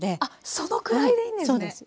そのくらいでいいんですね。